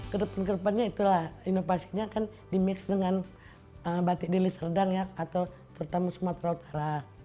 kedepan kedepannya itulah inovasinya kan di mix dengan batik deli serdang ya atau terutama sumatera utara